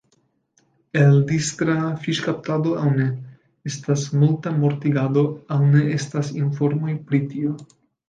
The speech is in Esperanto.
El distra fiŝkaptado aŭ ne estas multa mortigado aŭ ne estas informoj pri tio.